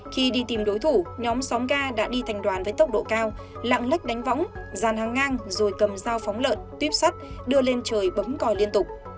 khi đi tìm đối thủ nhóm xóm ga đã đi thành đoàn với tốc độ cao lạng lách đánh võng dàn hàng ngang rồi cầm dao phóng lợn tuyếp sắt đưa lên trời bấm còi liên tục